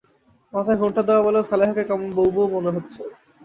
মাথায় ঘোমটা দেওয়া বলে সালেহাকে কেমন বৌ-বৌ মনে হচ্ছে।